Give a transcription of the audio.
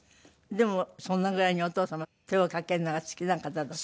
でもそんなぐらいにお父様手をかけるのが好きな方だった。